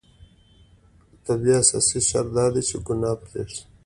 د توبې اساسي شرط دا دی چې ګناه پريږدي